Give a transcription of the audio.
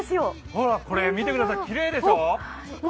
ほら、これ、見てください、きれいでしょう。